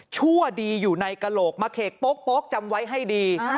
ชั่วดีอยู่ในกระโหลกมาเขกโป๊กจำไว้ให้ดี